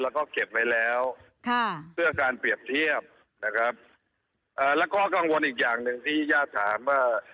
แล้วก็เก็บไว้แล้วค่ะเพื่อการเปรียบเทียบนะครับเอ่อแล้วก็กังวลอีกอย่างหนึ่งที่ญาติถามว่า